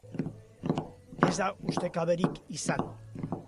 Ez da ustekaberik izan.